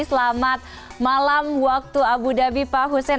selamat malam waktu abu dhabi pak hussein